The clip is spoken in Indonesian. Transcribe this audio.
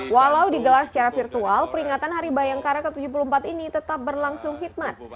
walau digelar secara virtual peringatan hari bayangkara ke tujuh puluh empat ini tetap berlangsung hikmat